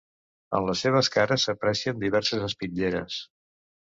En les seves cares s'aprecien diverses espitlleres.